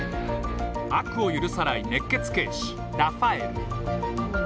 悪を許さない熱血警視ラファエル。